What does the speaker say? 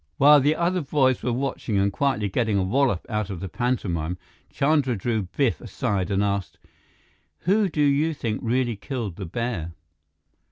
While the other boys were watching and quietly getting a wallop out of the pantomime, Chandra drew Biff aside and asked: "Who do you think really killed the bear?"